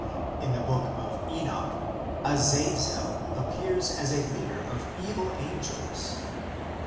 In the Book of Enoch Azazel appears as a leader of evil angels (vi.